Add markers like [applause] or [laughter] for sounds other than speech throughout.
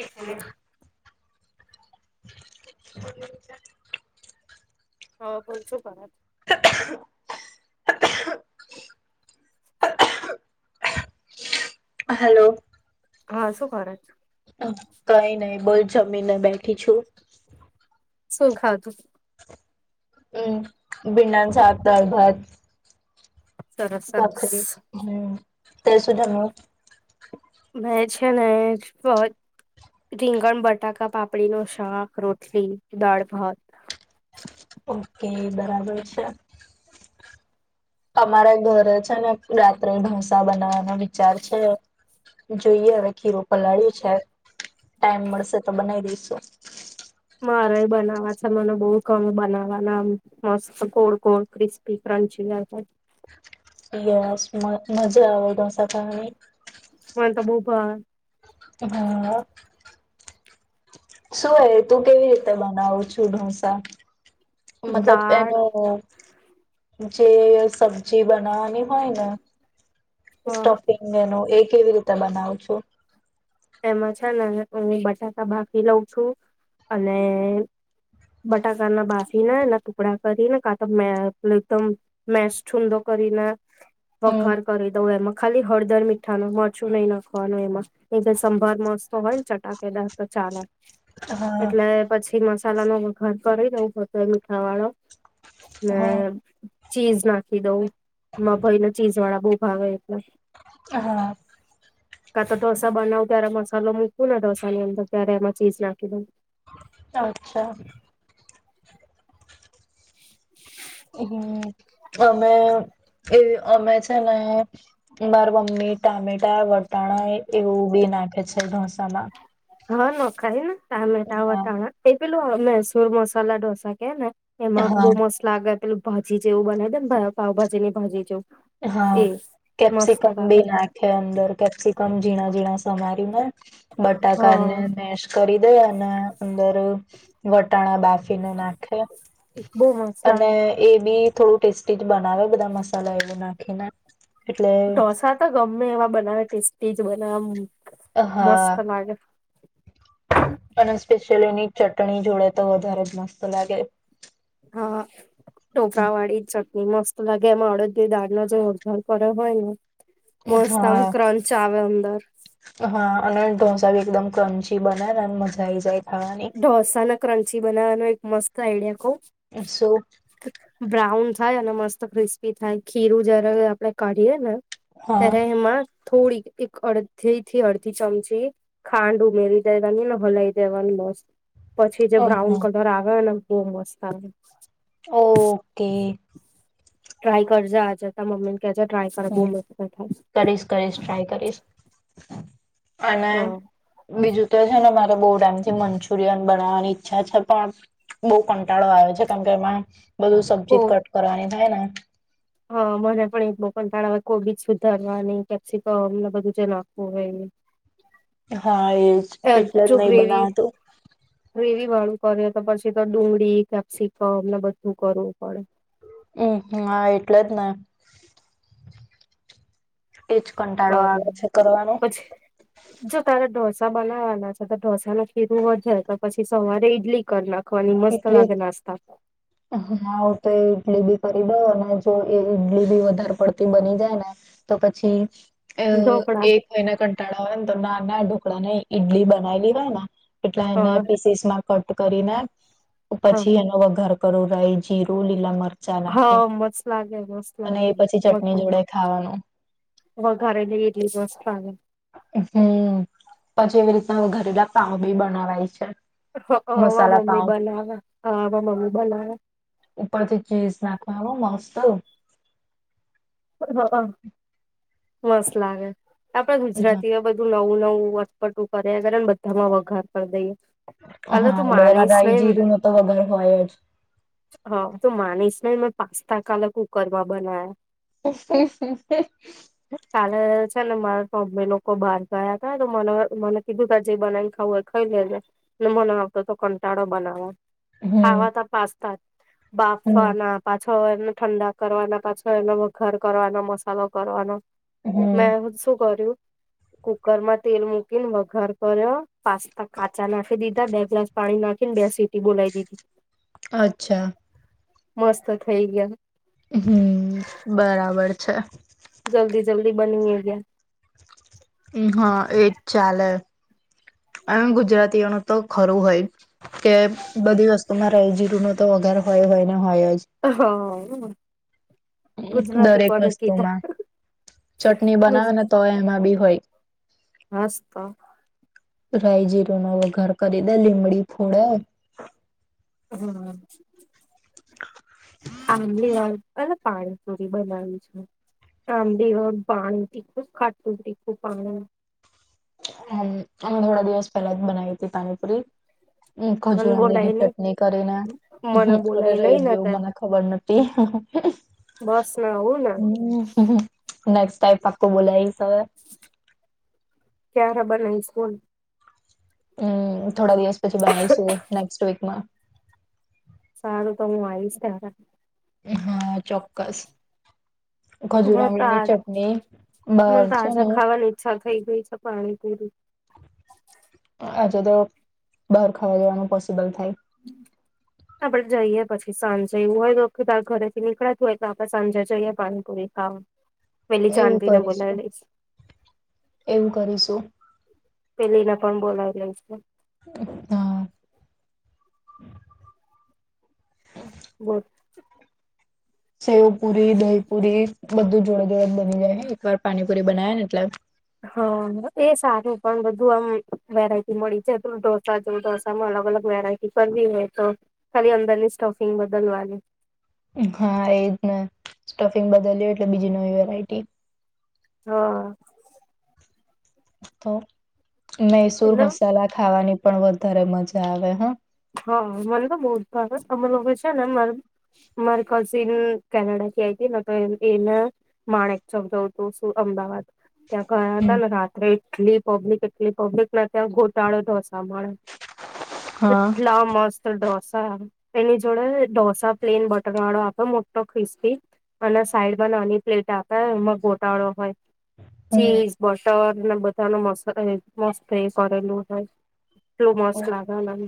એક મિનટ. બ [inaudible] હા બોલ છું કરેછ? [inaudible] હલો. હા શું કરે છે. કઈ નહી બોલ જમીને બેઠી છું. શું ખાધું હમ ભિંડા ના શાક દાળ ભાત. સરસ સરસ. ભાખરી હમ. તે સુધા મ. મેજ. છે ને એજ રીંગણ બટાકા પાપડી નું શાક રોટલી દાળ ભાત. ઓકે બરાબર છે. અમારે ઘરે છે ને રાત્રે ઢોંસા બનાવવાનો વિચાર છે જોઈએ હવે ખીરોું પલાળ્યું છે ટાઈમ મળશે તો બનાવી દઈશું. મારેય બનાવા છે મને બહ ગમે બનાવાના મસ્ત ગ ગ ક્રિસ્પી ક્રંચી. યસ મ મજા આવે ડોસા ખાવાની. બ [unintelligible] હા. શું હોય તું કેવી રીતે બનાવું છું ઢોસા. મતલબ દાળ એનો. જે સબ્જી બનાવાની હોય ને ભાત સ્ટફિંગ એનું એક. કેવી રીતે બનાવું છું? એમાં છે ને હું બટાકા બાફી લઉં છું અને બટાકા ના બાફીને એના ટુકડા કરીને કા તો એકદમ મેસ છુંંદો કરીને હમ વગાર કરી દઉં એમાં ખાલી હળદર મીઠા નુ મારચું નહી નાખવાનું એમાં. એ જે સંભર મસ્તો હોય ને ચટાકેદાર તો ચાલે હા એટલે પછી મસ મસાલા નો વગાર કરી દવ પત મીઠા વાળો ને હા ચીઝ નાખી દઉં. મારા ભઈ ને ચીઝ વાળા બહુ- ભાવે. હા કા તો ઢો ત્યારે મસાલો મૂકું નાને ડોસાની અંદર ત્યારે એમાં ચીઝ નાખી દઉ અચ્છા. હમ અમે એ અમે છે ને માર મમ્મી ટામેટા વટાણા એવું બી નાખે છે ઢો મસાલા હા નખાય ને. ટામેટા વટાણા પેલું મેસૂર મસાલા ઢોસા કે ને એમાં હા બહુ મસ્ત લાગે પેલું. ભાજી જેવું બનાવી દે ભા પાાવભાજી ની ભાજી જેવું હા એ મસ્ત કેપ્સિકમ લાગે બી નાખે અંદર કેપ્સિકમ ઝીણા ઝીણા સમારી ને હા બટાકાને મેશ કરી દે અને અંદર વટ ટણ બફીને ના બહુ મસ્ત અને લાગે એ બી થોડું ટેસ્ટી જ બનાવે બધા મસાલા એ નાખી ને. ઢોસા તો ગમે એવા બનાવે, ટેસ્ટી જ બનાવમ અ, હા, અ ચલેની ચટણી જોડે તો વધારે જ મસ્ત લાગે હા, ટોપરાવાડી જ એ મસ્ત લાગે એમાં અડદની દાળનો જે વઘાર કર્યો હોય ને મસ્ત આમ હા ક્રંચ આવેમ [unintelligible] હા, અને ઢોસા ભી એકદમ ક્રન્ચી બના મજા આઈ જાય ખાવાની ઢોસા ને ક્રંચી બનાવાનો એક મસ્ત આઈડિયા કવ શો. થાય અને મસ્ત ક્રિસ્પી થાય ખીરું જયારે આપડણે કાઢીએ ને. હા તરેમાં. થોડી એક અડધી થી અડધી ચમચી ખાંડ ઉમેરી દેવાની અનેને હલાઈ દેવાની મસ્. પછી જે બ્રાઉન અહા કલર આવે ને. ઓ મસ્. ઓ. તે. ટ્રાય કરજ આજતા મમી હમ કરીશ કરીશ ટ્રાય કરીશ અને બીજું તો છે ને બુથી મંચુરિયન બનાવવાની ઈચ્છા છે પણ બહુ કંટાળો આવે છે કેમ કે એમાં બધું કો સબ્જી કટ કરવાની થાય હા મને પણ એક બો પણ કોબીજ સુધારવાની કેપ્સિકમને બધું જ નાખવું હોય હા એજ એ એટલે જ નહી બનાવતું રવી વાળું કરે તો પછી તો ડુંગળી કેપ્સિકમ એમને બધું કરું હમ હા એટલે જ ને એજ કંટાળો અરે આવે છે કરવાનો પછી જો તારે ઢોસા બનાવવાના છે તો ઢોસા ફીરું વધે તો પછી સવારે ઈડલી કરના ટલી હા તો ઇડલી બી દો ને જો એ ઈડલી બી વધારે પડતી બની જાય ને તો પછી અ ઢોકળા એક મહયના કંટાળા હોય ને તો ના ઢોકળા ને ઈડલી બનાવી લે હોય કેટલા એને હા પીસીસ માં કટ કરીને હા પછી એનો ઘર કરોાય જીરો લીલા માર નાખી હા મસ્ત લાગે મસ્ત અને લાગે એ પછી ચટણી જોડે ખાવાનું હ ઘરેની એટલી વસ્થ આવે હમ પછી એવી રીતના હ ઘરેલા પાાવ બી બનાવાય છે હવા મસાલા મમ્મી પાાવ બનાવે હવા મમ્મી બનાવે ઉપરથી ચીઝ નાખવાનો મસ્ત હ મસ્ત લાગે આપડે હા ગુજરાતી એ બધું નવું નવુ અટપટું કરે ને જ્યારે બધામાં વઘાર કરી દઈએ અલી, તું હા બધામાં માનીશ રાઈ નહી, જીરું નો તો વગર હોય જ હ તો માનીશ નઈ ને પાસ્તા કાલે કુકર માં બના્યા કાલે [unintelligible] ને મારા મમ્મી લોકો બહાર ગયા હતાા તો મને મને કીધું તા જે બનાવીને ખાવું એ ખાઈ લેજેને મને આવતો હતો કંટાળો બનાવો હમ ખાવા તા પાસ્તા બાફવા હમ ના પાછ હવાર ના ઠંડા કરવાના પાછા એમા વ ઘાર કરવાનો મસાલો કરવાનો. મે હમ હ શું કર્યું? કુકરમાં તેલ મૂકીને વઘાર કર્યો પાસ્તા કાચા નાખી દી બે ગ્લાસ પાણી નાખીને બે સીટી બોલાવી દીધી અચ્છા મસ્ત થઈ ગીયા હમ બરાબર છે. જલ્દી જલ્દી બનીય એ ગીયા. હા એજ ચાલે અવે ગુજરાતીઓનું તો ખરું હોય કે બધી વસ્તુમાં રયજીરું ન તો વગાર હોય હોય ને હોય જ હા દરેક વસ્તુમાં ચટણી બનાવે ને તો એમાં બી હોય. હાસ તો રાયજીરૂ નો વઘાર કરી દે લીમડી ફોડે હમ આમલી વાળુ પાણીપુરી બનાવી છે, આમ દેવ પાણી તીખું ખાટું તીખું પાણી હમ અમે થોડા દિવસ પહેલા જ બનાવી હતી પાણીપુરી. ખજૂર મન આમલીની બોલાય નહી ચટણી કરીને મને અરે બોલાય રહી નઈ ને ગયું તે મને ખબર નથી. બસ ને આવું ને હમ નેક્સ્ટ ટાઈમ પાકો બોલાવી તો ક્યા ખબર ન સ્કૂલ હમ. થોડા દિવસ પછી બનાઈશું નેક્સ્ટ વીક ના સારું તો હું આવીશ ત્યારે એ હા ચોક્કસ હ ખજૂર તો આમલી આજ ની ચટણી બહાર મને છે, ને તાજા ખાવાની ઈચ્છા થઈ ગઈ છે પાણી પૂરી આજે તો બહાર ખાવા જવાનું પોસિબલ થાય [inaudible] આપડે જઈએ પછી સાંજે એવું હોય તો ત ઘરે થી નીકળતું હોય તો આપડે સાંજે જઈએ પાણીપુરી ખાવા પેલી એવું જાનવીને બોલાવી કરીશું લઈશ એવું કરીશું પેલીને પણ બોલાવેલ છે અચ્છા બર સેવ પૂરી દહીપૂરી બધું જોડે જોડે બની જાય એકવાર પાણીપુરી બનાવ ને એટલે હા એ સારું પણ બધું આમ વેરાયટી મળી છે તું ઢોસા જોવઢોસામાં અલગ અલગ વેરાયટી પી હોય તો ખાલી અંદરની સ્ટફિંગ બદલવાની હા એ જ ને સ્ટફિંગ બદલ્યું એટલે બીજી નવી વેરાયટી હા તો મૈસૂર એટલે મસાલા ખાવાની પણ વધારે મજા આવે હા હા મને તો બહ જ ખાર અમલ છે ને મા મારી કઝિન કેનેડા થી આ હતી ને તો એને માણેક ચજું શું અમદાવાદ ત્યા ક હમ હતાને રાત્ર એટલી પબ્લિક એટલી પબ્લિક ત્યાં ગોટાળો તો તમાબળ હા ત મસ્ત ડઢોસા એની જોડે ઢોસા પ્લેન બટર વાળો આપે મોટો ક્રિસ્પી અને સાઈડમાં નાની પ્લેટ આપે એમાં ગોટાળો હોય હમ ચીઝ બટર બધા ન મસ્ત કરેલું છે એટલું મસ્ત હમ મ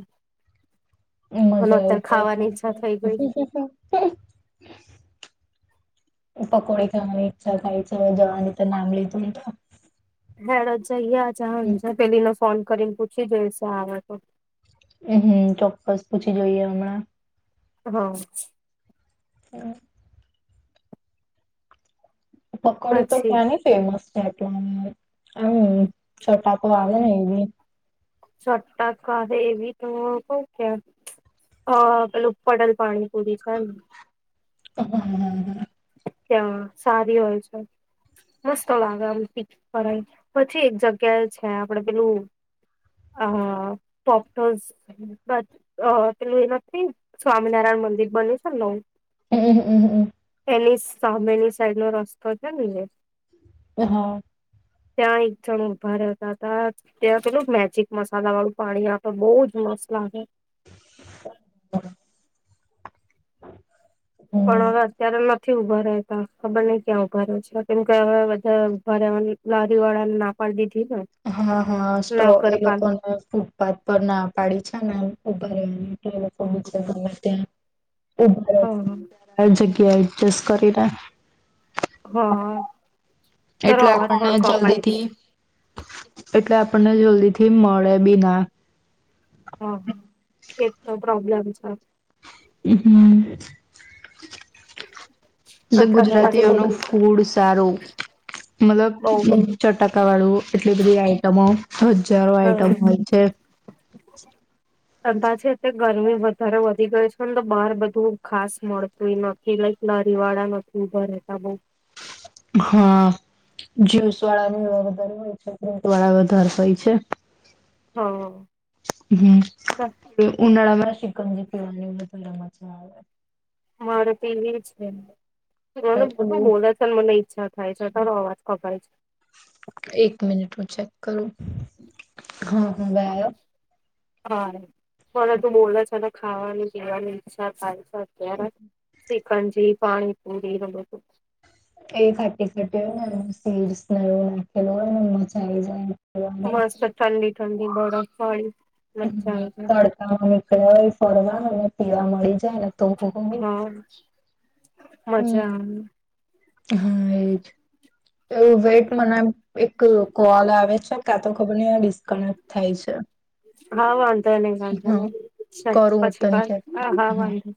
મજા આવે ખ ઈચ્છા થઈ ગઈ પકોડી ખને ચ્છા ખાાય છે જવાની તો નાંબલી ત તો ડ છે ચા પલી ફોન કરીને પૂછી જઈશે આવે તો હમ હમ ચોક્કસ પૂછી જોઈએ હમણાં હા હમ પકોડી તો પછી ક્યાંની ફેમસ ટ હ છોટા પવા નવી ચટાકહે એવી તો ક કે પેલું પડલ પાણી પૂરી છે, ને ત્યાં સારી હોય છે, મસ્ત લાગે પ પછી એક જગ્યાએ છે. આપડે પેલું અ પોપ પેલું એમાંને સ્વામિનારાયણ મંદિર બને છે ને નવું હમ. એની સામેની સાઈડ નો રસ્તો છે ને જે એ હા ત્યાં એક જણ ઉભા રહેતા હતા ત્યાં થોડું મેજિક મસાલા વાળું પાણી આપે બહજ મસ્ત લાગે. પણ હમ હવે અત્યારે થી ઉભા રહેતા ખબર નહ ક્યાં ઉભા રહે છે, કેમ કે બધા ઉભા રહેવાની લારી વાળા ને ના પાડી દીધી હા, હા, સ્ટ ને એ નગરપાલિકા લોકોને ફૂટપાથ પર ના પાડી છે ને ઉભા રહેવાનું એ લોકો બિચારા કઈ ઉભા રહેશે, હા હર જગ્યાએ કે એડજસ્ટ કરી ને હા, હ એટલે આપણને જલ્દી થી એટલે આપણને જલ્દી થી મળે બીના હા, એ જ તો પ્રોબ્લેમ છે હ, હમ એટલે અને પછી ગુજરાતીઓનું ફૂડ સારું, મતલબ બઉ જ ચટાકા વાળું, એટલી બધી આઈટમો, હજારો આઈટમ હા હોય છે જ રમતા છે, તે ગરમી વધારે વધી ગયો છે, ને તો બહાર બધું ખાસ મળતું નથી, લાઈક લારીવાળા નથી ઉભા રહેતા બહુ હા, જુસ વાળા ન વધારે હોય છે, ફ્રૂટ વાળા વધારે હોય છે હા હમ. તે ઉનાળ માં શકમજી પીવાની હોય તો ર મજા આવે મારો પીવી છે. બુ પેલું બોલે છે, મને ઈચ્છા થાય છે. અતારો અવાજ કપાય છે. એક મિનિટ હું ચેક કરું હા હવે આવ્યો? હા. ભલે તું બોલે છે ને ખાવાનું પીવાનું સાર થાય. સિકંદજી પાણી પૂરીને બધુ એ ખાટી ખાટી હોય ને એ સીડસ ને એવું નાખેલું હોય ને મજા આવી જાય. પીવાની મસ્ત ચાલલી ઠંડી બો સળ હમ તડકા હ ક ફરવાનું ને પીવા મળી જાય ને તો હમ હા મજા આવે હા એજ એવું વેટ મનામ એક કોલ આવે છે ક્યા તો ખબર ન કણક થાય છે. હવા. ન વાંધો હા સા કરું હું પછી હ તને ચેક હા વાંધો. હ.